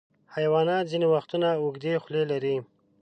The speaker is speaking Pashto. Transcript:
حیوانات ځینې وختونه اوږدې خولۍ لري.